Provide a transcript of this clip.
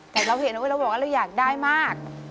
แต่เราเห็นว่าเราบอกว่าเราอยากได้มาก